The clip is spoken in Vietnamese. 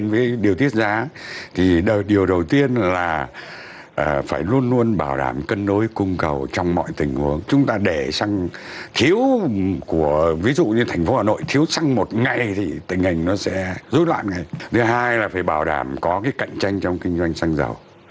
vậy là phải bảo đảm có cái cạnh tranh trong kinh doanh xăng dầu